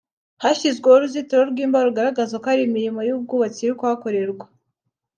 hashyizwe uruzitiro rw’imbaho rugaragaza ko hari imirimo y’ubwubatsi iri gukorwa